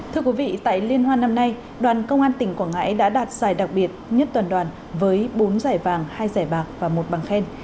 thưa quý vị tại liên hoan năm nay đoàn công an tỉnh quảng ngãi đã đạt giải đặc biệt nhất toàn đoàn với bốn giải vàng hai giải bạc và một bằng khen